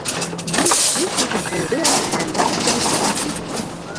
Мый, ик йӱкым пуыдеак, тарантасышкыже кӱзен шинчым.